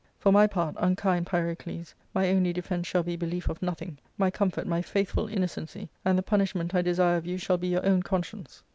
For my part, unkind Pyrocles, my only defence shall be belief of nothing, my comfort my faithful innocency, and the punishment I desire of you shall be your own conscience."